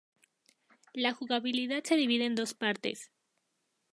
La jugabilidad se divide en dos partes.